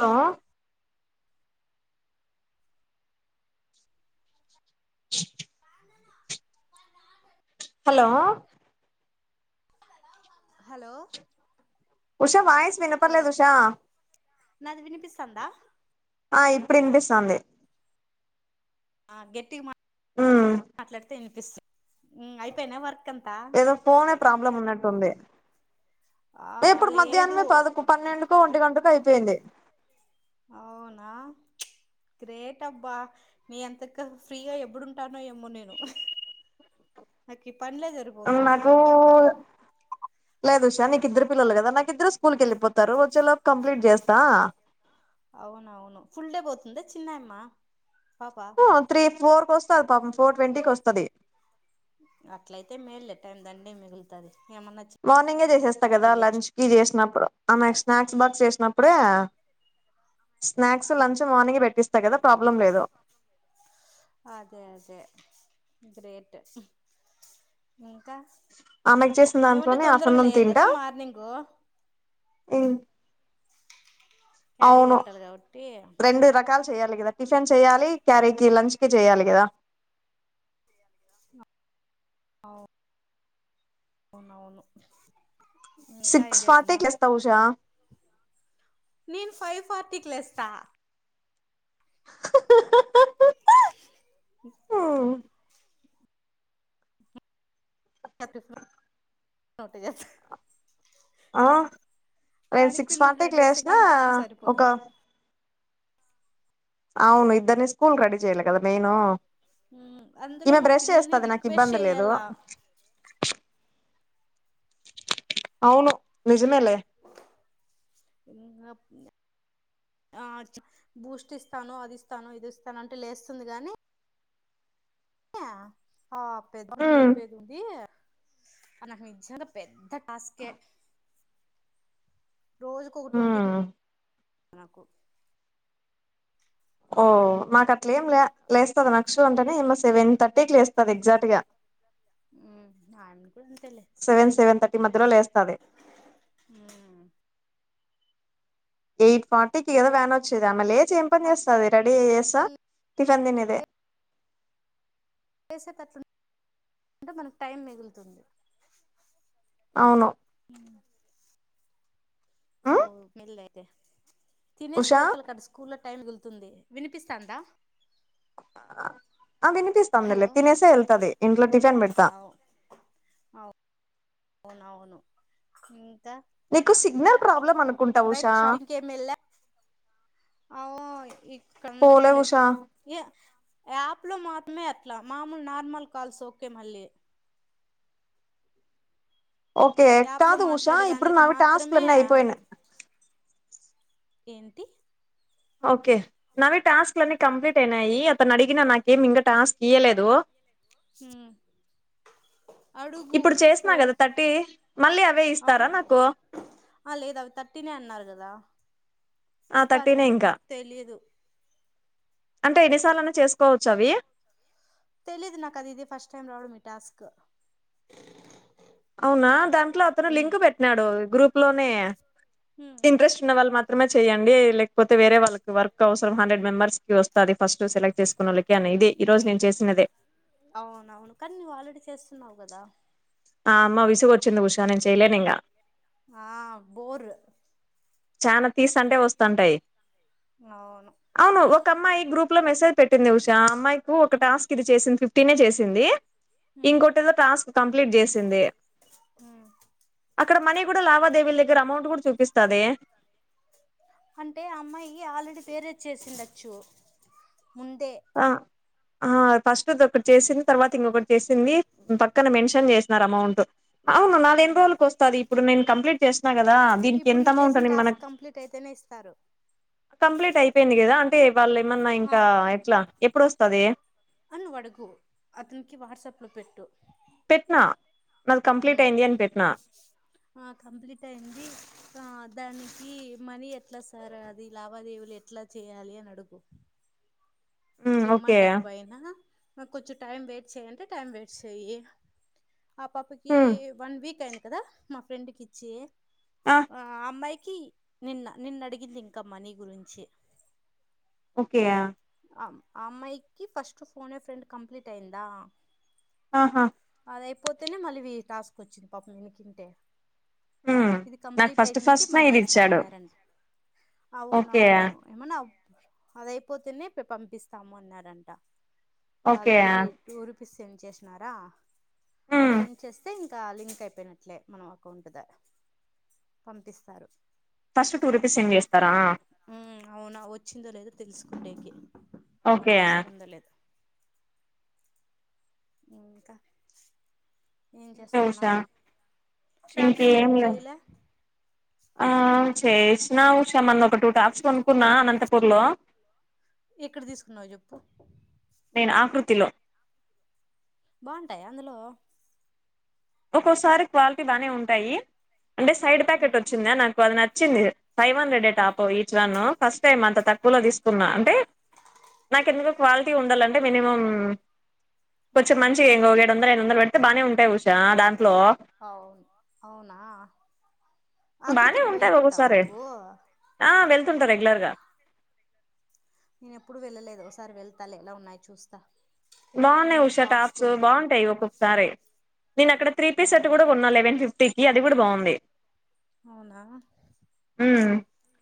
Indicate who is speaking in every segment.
Speaker 1: Hello
Speaker 2: నానో వరా
Speaker 1: hello
Speaker 2: hello
Speaker 1: Usha voice
Speaker 2: hello
Speaker 1: వినప్పడ్లేదు ఉషా
Speaker 2: నాది వినిపిస్తందా
Speaker 1: ఆ ఇప్పుడు ఇన్పిస్తాంది
Speaker 2: ఆ గట్టిగ మా
Speaker 1: ఉమ్
Speaker 2: మాట్లాడితే ఇనిపిస్తుంది అయిపోయినయ వర్క్ అంతా
Speaker 1: ఏదో ఫోనే ప్రాబ్లం ఉన్నట్టుంది
Speaker 2: ఆ
Speaker 1: ఇప్పుడు
Speaker 2: లేదు
Speaker 1: మధ్యాహ్నమే పదకు పన్నెండుకొ ఒంటి గంటకొ అయిపోయింది
Speaker 2: అవునా గ్రేట్ అబ్బా నీ అంతకు ఫ్రీగా ఎప్పుడుంటానో ఏమో నేను నకి పన్లే జరు
Speaker 1: నాకు లేదు ఉష నీకిద్దరు పిల్లలు కదా నాకిద్దరు స్కూల్ కెళ్ళిపోత్ తరు వచ్చే లోపు కంప్లీట్ జేస్తా
Speaker 2: అవునవును ఫుల్ డే పోతుంద చిన్నాయమ్మ పాప
Speaker 1: త్రీ ఫోర్ కోస్తది పాపం ఫోర్ ట్వంటీకొస్తది
Speaker 2: అట్లయితే మేల్లే టైం దండిగ మిగుల్తది ఇయమ్మ నా
Speaker 1: మార్నింగే చేసేస్త కదా లంచ్ కి చేసినప్పుడు
Speaker 2: కూడా
Speaker 1: ఆమెకు స్నాక్ క్స్ బాక్స్ చేసినప్పుడే స్నాక్స్ లంచ్ మార్నింగే పెట్టిస్తా కదా ప్రాబ్లం లేదు
Speaker 2: అదే అదే గ్రేట్ ఇంక
Speaker 1: ఆమెకు చేసిన
Speaker 2: ఏమంటే
Speaker 1: దాంట్లోనే
Speaker 2: తొందరగా
Speaker 1: ఆఫ్టర్నూన్
Speaker 2: లేయ్యాలి కదా మార్నింగ్
Speaker 1: ఉమ్
Speaker 2: క్యారీ
Speaker 1: అవును
Speaker 2: కట్టాలి కాబట్టి
Speaker 1: రెండు రకాల్ చెయాలి కదా టిఫిన్ చేయాలి క్యారీ కి లంచ్ కి చేయాలి కదా
Speaker 2: అవు అవునవును ఇంకా ఏం
Speaker 1: సిక్స్ ఫార్టీకి
Speaker 2: జేస్తున్నావ్
Speaker 1: లేస్తా ఉషా
Speaker 2: నేను ఫైవ్ ఫార్టీ కి లెస్తా హ్మ్ టిఫిను నువ్వట్ట చేత్
Speaker 1: ఆ నేను
Speaker 2: దానికి
Speaker 1: సిక్స్
Speaker 2: పిల్లలు
Speaker 1: ఫార్టీకి
Speaker 2: రెడీ చేస్తే
Speaker 1: లేసిన
Speaker 2: దానికే టైమ్
Speaker 1: ఒక
Speaker 2: సరిపోతుంది
Speaker 1: అవును ఇద్దర్ నీ స్కూల్ రెడీ చేయలే కదా మెయిన్
Speaker 2: మ్ అందులో
Speaker 1: ఈమె
Speaker 2: మా
Speaker 1: బ్రష్
Speaker 2: పిల్లల్ని
Speaker 1: చేస్తది నాకు
Speaker 2: రిక్వెస్ట్
Speaker 1: ఇబ్బంది లేదు
Speaker 2: చేయాలా
Speaker 1: అవును నిజమేలే
Speaker 2: ఇంకో పిల్ల ఆ బూస్ట్ ఇస్తాను అది ఇస్తాను ఇది ఇస్తాను అంటే లేస్తుంది గాని ఆ పెద్దమేని
Speaker 1: ఉమ్
Speaker 2: లేపేది ఉంది ఆ నాకు నిజంగా పెద్ద టాస్కే రోజుకు ఒక ట్వంటీ
Speaker 1: ఉమ్
Speaker 2: మినిట్స్ నాకు
Speaker 1: ఓ మాకు అట్లే ఏం లే లేస్త నక్ష అంటేనే ఏమ సెవెన్ థర్టీకి లేస్తది ఎగ్జాక్ట్ గా
Speaker 2: హ్మ్ ఆయన కూడా అంతేలే సెవెన్
Speaker 1: థర్టీ
Speaker 2: సెవెన్
Speaker 1: మధ్యలో లేస్తది
Speaker 2: థర్టీ ఉమ్మ్
Speaker 1: ఎయిట్ ఫార్టీకిి కదా వ్యాన్ వచ్చేది అమ్ లేచ ఏం పని చేస్తాంది రెడీ చేసేస్తా
Speaker 2: అట్లా
Speaker 1: టిఫెన్ తినేదే
Speaker 2: చేసేటట్లుంటే మనకు టైం మిగులుతుంది
Speaker 1: అవును
Speaker 2: ఉమ్మ్
Speaker 1: ఉమ్
Speaker 2: ఆవ్ మెల్ అయితే తినేసి
Speaker 1: ఉషా
Speaker 2: బోతల్ క స్కూల్ క్ స్కూలో టైం వెళ్తుంది వినిపిస్తాందా
Speaker 1: ఆ
Speaker 2: హలో
Speaker 1: వినిపిస్తాందిలే తినేసే వెళ్తది ఇంట్లో టిఫిన్ పెడతా
Speaker 2: అవు అవును అవును ఇంకా
Speaker 1: నీ కు సిగ్నల్ ప్రాబ్లమ్ అను
Speaker 2: బయట్ షాపింగ్ కేమిల అ
Speaker 1: పోలే
Speaker 2: ఇంకంతేలే
Speaker 1: ఉషా
Speaker 2: ఏ యాప్ లో మాత్రమే అట్లా మామూలు నార్మల్ కాల్స్ ఓకే మళ్ళీ
Speaker 1: ఓకే
Speaker 2: యాప్లో
Speaker 1: కాదు ఉష
Speaker 2: మాట్లాడే
Speaker 1: ఇప్పుడు
Speaker 2: దానికి
Speaker 1: నావి టాస్క్
Speaker 2: మాత్రమే
Speaker 1: లన్నీ అయిపోయిన
Speaker 2: ఏంటి
Speaker 1: ఓకే నావి టాస్క్ లన్నీ కంప్లీట్ అయినాయి అతను అడిగినా నాకేమి ఇంకా టాస్క్ ఇయలేదు
Speaker 2: హమ్
Speaker 1: ఇప్పుడు చేసినా కదా థర్టీ మళ్ళీ అవే ఇస్తారా
Speaker 2: అవును
Speaker 1: నాకు
Speaker 2: ఆ లేదు అవి థర్టీనే అన్నారు కదా
Speaker 1: ఆ థర్టీనే
Speaker 2: ఇస్తారేమో
Speaker 1: ఇంకా
Speaker 2: నాకు తెలియదు
Speaker 1: అంటే ఎన్నిసార్లున్నా చేసుకోవచ్చు అవి
Speaker 2: తెలీదు నక్కడి ఇది ఫస్ట్ టైం రావడం మే టాస్క్
Speaker 1: అవునా దాంట్లో అతను
Speaker 2: ఉమ్
Speaker 1: లింక్ పెట్టినాడు గ్రూప్ లోనే
Speaker 2: ఉమ్
Speaker 1: ఇంట్రెస్ట్ ఉన్న వాళ్ళు మాత్ మాత్రమే చేయండి లేకపోతే వేరే వాళ్ళకి వర్క్ అవసరం హండ్రెడ్ మెంబర్స్ వస్తుది ఫస్ట్ సెలెక్ట్ చేసుకున్న వాళ్ళకి అని ఇది ఈరోజు నేను చేసినాదే
Speaker 2: అవునవును కానీ నువ్వు ఆల్రెడీ చేస్తున్నావు కదా
Speaker 1: ఆ అమ్మ విసుగు వచ్చింది ఉషా నేను చెయ్యలేను ఇంకా
Speaker 2: ఆ బోర్
Speaker 1: చానా తీసంటే వస్తుంటాయి
Speaker 2: అవును
Speaker 1: అవును ఒక అమ్మాయి గ్రూప్ లో మెసేజ్ పెట్టింది. ఉషా ఆ అమ్మాయికి ఒక
Speaker 2: ఉమ్
Speaker 1: టాస్క్ ఇది ఇచ్ చేసింది ఫిఫ్టీన్ చేసింది
Speaker 2: ఉమ్
Speaker 1: ఇంకొటిదో టాస్క్ కంప్లీట్ చేసింది
Speaker 2: ఉమ్
Speaker 1: అక్కడ మనీ కూడా లావాదేవీల దగ్గర అమౌంట్ కూడా చూపిస్తాది
Speaker 2: అంటే ఆ అమ్మాయి ఆల్రెడీ వేరేది చేసిండొచ్చు ముందే
Speaker 1: ఆ ఆ ఫస్ట్ది ఒకటి చేసింది తర్వాత ఇంకొకటి చేసింది పక్కన మెన్షన్ చేసినరూ అమౌంట్ అవును నాదే ఎన్ని రోజుల వస్తస్తుది ఇప్పుడు నేను కంప్లిట్ చేస్తను కదా దీనికి
Speaker 2: ఇప్పుడు
Speaker 1: ఎంత
Speaker 2: నువ్వు చేసిన
Speaker 1: అమౌట్అనీ
Speaker 2: టాస్క్
Speaker 1: మనక్
Speaker 2: కంప్లీట్ అయితేనే ఇస్తారు
Speaker 1: కంప్లీట్ అయిపోయింది కదా అంటే వాళ్ళు ఏమన్నా
Speaker 2: ఆ
Speaker 1: ఇంకా ఎట్లా ఎప్పుదోస్తాడి
Speaker 2: అని నువ్వు అడుగు అతనికి వాట్సాప్లో పెట్టు
Speaker 1: పెట్టినా వాళ్ళ కంప్లీట్
Speaker 2: ఉమ్,
Speaker 1: అయింది అని పెట్టినా
Speaker 2: ఆ కంప్లీట్ అయింది ఆ దానికి మనీ ఎట్లా సార్ అది లావాదేవీలు ఎట్ ఏట్లా చేయాలి అనీ అడుగు
Speaker 1: మ్మ్
Speaker 2: క్లైమా
Speaker 1: ఓకే
Speaker 2: తప్పైనా మాక్ కొంచెం టైం వయిట్ చెయంటే టైం వేస్ట్ చెయ్యి ఆ పాపకి
Speaker 1: మ్మ్
Speaker 2: వన్ వీక్ అయింది కదా మా ఫ్రెండ్కిచి ఆ అమ్మాయికి నిన్న నిన్న అడిగింది ఇంకమ్మానీ గురించి
Speaker 1: ఓకే
Speaker 2: ఆ అమ్మాయికి ఫస్ట్ ఫోన్ ఫ్రెండ్ కంప్లీట్ అయిందా
Speaker 1: ఆహా
Speaker 2: అదయిపోతేనే మళ్ళీ టాస్క్ వచ్చింది పాపం వినుకుంటే
Speaker 1: మ్మ్
Speaker 2: ఇది
Speaker 1: నాకు
Speaker 2: కంప్లీట్ అయి
Speaker 1: ఫస్ట్
Speaker 2: నుంచి
Speaker 1: ఫస్ట్ నే
Speaker 2: మనీ
Speaker 1: ఇది ఇచ్చాడు
Speaker 2: వేస్తామన్నంటడి అవును
Speaker 1: ఓకే
Speaker 2: అవును ఏమనా అదయిపోతేనే పంపిస్తాము అన్నారంట
Speaker 1: okay
Speaker 2: already two rupees send చేస్న్నారా ఆ
Speaker 1: మ్మ్
Speaker 2: సెండ్ చేస్తే ఇంకా లింక్ అయిపోయినట్లే మనం అకౌంట్ ద పంపిస్తారు
Speaker 1: ఫస్ట్ టూ రూపీస్ సెండ్ చేస్తారా ఆ
Speaker 2: హ్మ్ అవును వచ్చిందో లేదో తెలుస్కునేకి మనీ
Speaker 1: ఓకే
Speaker 2: వస్తుందో లేదు ఇంకా ఏం
Speaker 1: ఇంకే ఉషా
Speaker 2: చేస్తున్నావు షాపింగ్
Speaker 1: ఇంకేం
Speaker 2: ఏం
Speaker 1: లే
Speaker 2: చేయలే
Speaker 1: ఆ చేస్నామ్ మొన్న ఒక టూ టాస్క్ కుణ అనంతపూర్లో
Speaker 2: ఎక్కడ తీసుకున్నావు చెప్పు
Speaker 1: నేను ఆకృతిలో
Speaker 2: బొంటాయా అందులో
Speaker 1: ఒక్కోసారి క్వాలిటీ బాగానే ఉంటాయి అంటే సైడ్
Speaker 2: ఉమ్,
Speaker 1: ప్యాకెట్ వచ్చిందా నాకు అది నచ్చింది ఫైవ్ హండ్రెడ్ ఏ
Speaker 2: ఉమ్,
Speaker 1: top each one first time అంత తక్కువలో
Speaker 2: ఆ,
Speaker 1: తీసుకున్నా న్నా అంటే నాకు ఎందుకు క్వాలిటీ ఉండాలంటే మినిమం కొంచెం
Speaker 2: ఉమ్,
Speaker 1: మంచిగా
Speaker 2: త-
Speaker 1: ఇంకొక ఏడు వందలు ఎదు వందలు పెడితే బానే ఉంటాయి ఉషా దాంట్లో
Speaker 2: అవును అవునా
Speaker 1: బానే
Speaker 2: ఆకృతికి
Speaker 1: ఉంటాయి
Speaker 2: వెళ్తుంటావా
Speaker 1: ఒక్కోసారి
Speaker 2: నువ్వు
Speaker 1: ఆ వెళ్తుంటా రెగ్యులర్గా
Speaker 2: నేన ఎప్పుడుూ వెళ్ళలేదు ఒకసారి వెళ్తా ఎలా ఉన్నాయి చూస్తా
Speaker 1: బోన్నాయి
Speaker 2: నేను
Speaker 1: ఉష టాప్స్
Speaker 2: కొనుక్కోల
Speaker 1: బాగుంటాయి ఒక్కొక్కసారి నేను అక్కడ త్రీ పీస్ సర్ట్
Speaker 2: అవును
Speaker 1: కూడా కొన్నా లెవెన్ ఫిఫ్ స్టికీ అది కూడా బాగుంది
Speaker 2: అవునా
Speaker 1: ఉమ్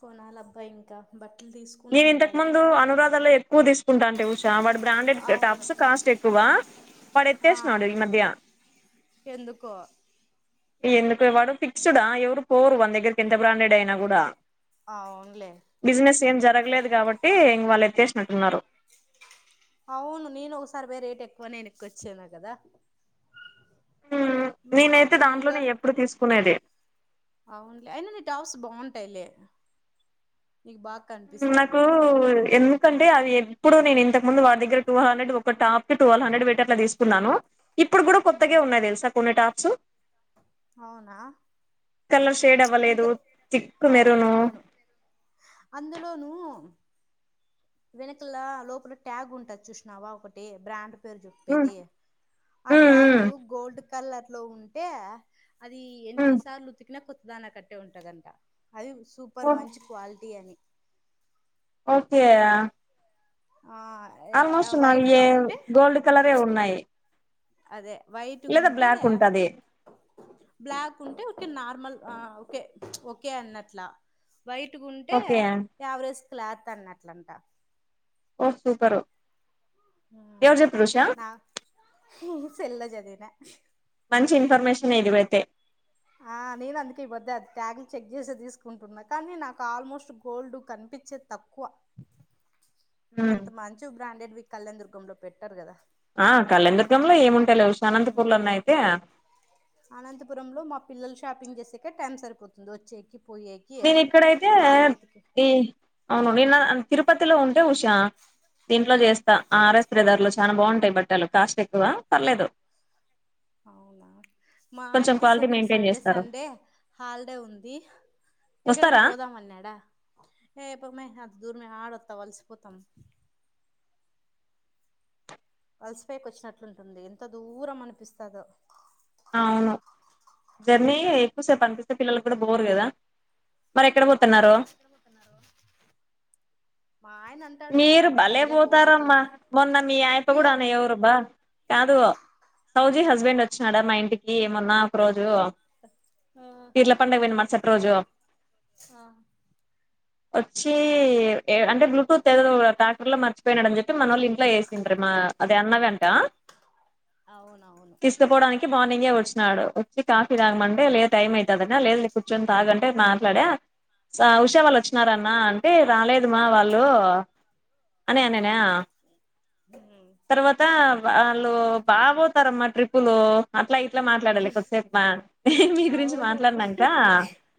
Speaker 2: కొనాలబ్బ ఇంకా బట్టలు తీసుక్
Speaker 1: నేన్ ఇంతక్ముందు అనురాధం ఎకువ తీసు కుంటా అంటే ఉషా వాడు బ్రాండెడ్
Speaker 2: అవును
Speaker 1: టఫస్ కాస్ట్ ఎక్కువ వాడు
Speaker 2: ఆ
Speaker 1: ఎత్తేస్తున్నాడు ఈ మధ్య
Speaker 2: ఎందుకో
Speaker 1: ఎందుకు ఇ వాడు ఫిక్సెడ్ ఎవరు పోరు వాని దగ్గరకి ఎంత బ్రాండెడ్ అయినా కూడా
Speaker 2: ఆ అవ్నులే
Speaker 1: బిజినెస్ ఏం జరగలేదు కాబట్టి ఇం వాళ్ళు ఎత్తేసినట్టున్నారు
Speaker 2: అవును నేను ఒకసారి పోయ్ రేట్ ఎక్కువ నేను ఏనాక్ వచ్చా కదా
Speaker 1: హ్మ్ నేనైతే
Speaker 2: మామూలుగా
Speaker 1: దాంట్లోనే ఎప్పుడు తీసుకునేది
Speaker 2: అవ్నులే అయినా నీ టాప్స్ బాగుంటాయిలే నీకు బా
Speaker 1: అంటే నాకు ఎందుక్ ఎందుకంటే అవి ఎప్పుడు నేను ఇంతకు ముందువాడిదగ్గర టూ హండ్రెడ్ ఒక టాప్ ట్వెల్వ్ హండ్రెడ్ పెట్టి అట్లా తీసుకున్నాను ఇప్పుడు కూడా కొత్తగే
Speaker 2: ఉమ్
Speaker 1: ఉన్నాయి తెలుసా కొన్ని టాప్స్
Speaker 2: అవునా
Speaker 1: కలర్ షేడ్ అవ్వలేదు
Speaker 2: అంతే
Speaker 1: తిక్కు మెరును
Speaker 2: అందులోను వెనకల లోపల ట్యాగ్ ఉంటది చూసినావా ఒకటి బ్రాండ్ పేరు
Speaker 1: ఉమ్
Speaker 2: చెప్పేది ఆ
Speaker 1: ఉమ్
Speaker 2: ట్యాగు
Speaker 1: ఉమ్
Speaker 2: గోల్డ్ కలర్ లో ఉంటే అది
Speaker 1: ఉమ్
Speaker 2: ఎన్నిసార్లు ఉతికినా కొత్త దాని కట్టే ఉంటదంట అది
Speaker 1: ఓ
Speaker 2: సూపర్ మంచి క్వాలిటీ టీఅని
Speaker 1: ఓకే
Speaker 2: ఆ
Speaker 1: ఆల్మోస్ట్ నావి ఏ
Speaker 2: వైట్గా ఉంటే
Speaker 1: గోల్డ్ కలరే ఉన్నాయి
Speaker 2: అదే
Speaker 1: లేదా
Speaker 2: వైట్గుంటే
Speaker 1: బ్లాక్ ఉంటది
Speaker 2: బ్లాక్ ఉంటే ఒకే నార్మల్ ఓకే ఓకే అన్నట్లా వైట్గుంటే
Speaker 1: ఓకే
Speaker 2: యావరేజ్ క్లాత్ అన్నట్లంట
Speaker 1: ఓ సూపరు
Speaker 2: హ
Speaker 1: ఎవరు చెప్పిర్రు ఉషా
Speaker 2: నా హ్మ్ సెల్ లో చదివినా
Speaker 1: మంచి ఇన్ఫర్మేషన్ ఎదివైతే
Speaker 2: హా నేను అందుకే ఈ వద్ద అది ట్యాగులు చెక్ చేసే తీసుకుంటున్నా కానీ నాకు ఆల్మోస్ట్ గోల్డ్ కనిపించేద్ తక్కువ
Speaker 1: [inaudible]
Speaker 2: అంత మంచి బ్రాండెడ్వి కళ్యాణదుర్గంలో పెట్టరు కదా
Speaker 1: ఆ కళ్యాణ దర్గంలో ఏముంటాయ్లే ఉశానంతపూర్ లో అన్నాయితే
Speaker 2: అనంతపురం లో మా పిల్లలు షాపింగ్ చేసేకి టైం సరిపోతుంది వచ్చేకి పోయేకి
Speaker 1: నేను ఇక్కడైతే
Speaker 2: వాళ్ళు వెతికి
Speaker 1: ఈ అవును నిన్న తిరుపతిలో ఉంటే ఉష దీంట్లో
Speaker 2: ఉమ్
Speaker 1: చేస్తా ఆర్ఎస్ వెళ్ళే దారులో చానా బాగుంటాయి బట్టలు కాస్ట్ ఎక్కువ పర్లేదు
Speaker 2: అవునా మా
Speaker 1: కొంచెం
Speaker 2: ఆయనకి
Speaker 1: క్వాలిటీ
Speaker 2: సెకండ్
Speaker 1: మెయింటైన్
Speaker 2: సాటర్డే
Speaker 1: చేస్తారు
Speaker 2: సండే హాలిడే ఉంది ఎక్కడైనా
Speaker 1: వస్తారా
Speaker 2: పోదాం అన్నాడా ఏ పొమ్మే అంత దూరమే యాడొత్తావ్ అలసిపోతాం అలసిపొయేకి వచ్చినట్లుంటుంది ఎంత దూరం అనిపిస్తుందో
Speaker 1: అవును జర్నీ ఎక్కువసేపు అనిపిస్తే పిల్లలకు కూడా బోర్ కదా మరి ఎక్కడ పోతున్నారు
Speaker 2: అవును మా ఆయన అంతే
Speaker 1: మీరు భలే పోతారమ్మా మొన్న మీ ఆయన తో కూడా
Speaker 2: అయ్యో
Speaker 1: అనె ఎవరబ్బా కాదు సౌజీ హస్బెండ్ వచ్చినడా మా ఇంటికి మొన్నా ఒక రోజు
Speaker 2: ఆ
Speaker 1: పీర్ల పండుగ పోయిన మరుసటి రోజు
Speaker 2: ఆ
Speaker 1: వచ్చి ఏ అంటే బ్లూటూత్ ట్రాక్టర్ లో మర్చిపోయినాడని చెప్తే మనోళ్ళు ఇంట్లో వేసిండ్ర మా అది అన్నదంట
Speaker 2: అవునవును
Speaker 1: తీసుపోవడానికి మార్నింగే వచ్చినాడు వచ్చి కాఫీ తాగమంటే లే టైం అయితాదట లేదులే నీ కూర్చొని తాగంటే మాట్లాడే ఆ ఉషా వాళ్ళు
Speaker 2: ఉమ్
Speaker 1: వచ్చినారన్న అంటే రాలేదు మా వాళ్ళు అని అనేనే తర్వాత అ వాళ్ళు బాగ పోతారమ్మా ట్రిప్పులు అట్లా ఇట్లా మాట్లాడాలి కొద్దిసేపు మీ గురించి మాట్లాడినంక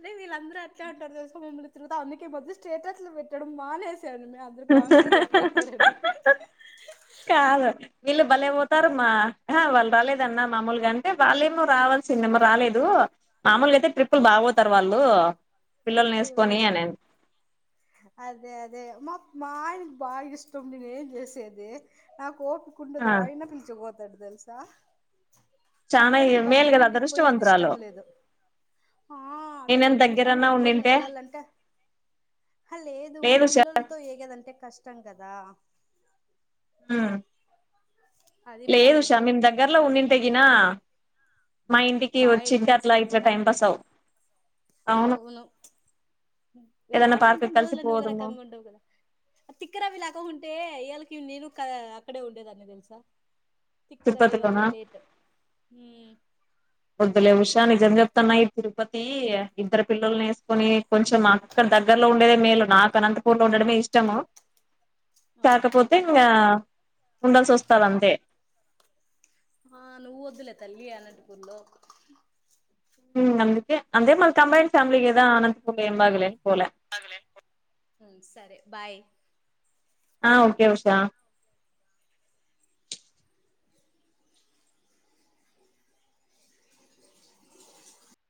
Speaker 2: లే వీళ్ళందరు అట్లా అంటారు తెలుసా మమ్మల్ని తిరుగుతవ్ అందుకె ఈ మధ్య స్టేటస్లు పెట్టడం మానేసాను అ కామెంట్ చెప్తన్న రెడి
Speaker 1: కాదు వీళ్ళు భలే పోతారమా అహ వాళ్ళు రాలేదన్న మామూలుగాంటే వాళ్ళేమో రావాల్సిందేమో రాలేదు మామూలు అయితే ట్రిపుల్ బా వోతారు వాళ్ళు పిల్లల్ని వేసుకొని అని
Speaker 2: అదే అదే మా మా ఆయనకు బాగా ఇష్టం నేనే ఏం చేసేది నా కోపం
Speaker 1: ఆ
Speaker 2: కుండదు అయిన పిల్చకుపోతాడు తెల్సా ఆ
Speaker 1: చానా
Speaker 2: పిల్లోడికి
Speaker 1: మేలు
Speaker 2: బంధువులు
Speaker 1: కదా
Speaker 2: ఇంటికి పోయేది
Speaker 1: అదృష్టవంతురాలు
Speaker 2: ఇష్టం లేదు ఆ
Speaker 1: నేనేం
Speaker 2: అదృష్టమే కానీ
Speaker 1: దగ్గరన్నా
Speaker 2: పిల్లలని
Speaker 1: ఉండింటే
Speaker 2: నేగాలంటే అహ లేదు పిల్లలతో ఏగదంటే కష్టం కదా అది ప్రాబ్లం
Speaker 1: లేదుషా మేము
Speaker 2: నాకు
Speaker 1: దగ్గరలో ఉన్నింతగిన మా ఇంటికి
Speaker 2: బాగా
Speaker 1: వచ్చింటే
Speaker 2: ఎంజాయ్
Speaker 1: అట్లా
Speaker 2: చేస్తాం
Speaker 1: ఇట్లా
Speaker 2: కదా
Speaker 1: టైం పాస్ అవు
Speaker 2: అవును
Speaker 1: ఏదన్నా
Speaker 2: వెళ్దాం
Speaker 1: పార్క్
Speaker 2: అంతం
Speaker 1: కలిసి
Speaker 2: రోజుల అన్ని
Speaker 1: పోదుము
Speaker 2: ఒకరకంగ ఉండవు కదా తిక్కరవి లాగా ఉంటే ఇళ్ళకి నేను క అక్కడే ఉండేదాన్ని తెలుసా తిక్క రవి
Speaker 1: తిరుపతిలోనా
Speaker 2: వల్లే లేట్ ఊ
Speaker 1: వొద్దులే ఉషా నిజం చెప్తున్న ఈ తిరుపతి ఇద్దరు పిల్లల్ని
Speaker 2: త-
Speaker 1: వేసుకొని కొంచెం మా అక్కడ దగ్గరలో ఉండేదే మేలు నాకు అనంతపూర్ లో ఉండడమే ఇష్టము
Speaker 2: అవునా
Speaker 1: కాకపోతే ఇంకా ఉండాల్సి వస్తాది అంతే
Speaker 2: ఆ నువ్వు వద్దులే తల్లి అనంతపూర్ లో
Speaker 1: ఊమ్ అందుకే అదే మల కంబైన్ ఫ్యామిలీ కదా అనంతపుర్ లో ఎం బాగాలే పోలే
Speaker 2: ఉ సరే బాయ్
Speaker 1: ఆ ఓకే ఉషా